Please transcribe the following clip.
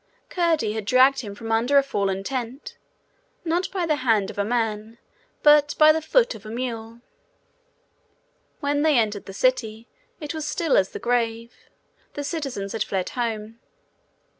Curdie had dragged him from under a fallen tent, not by the hand of a man, but by the foot of a mule. When they entered the city, it was still as the grave. The citizens had fled home.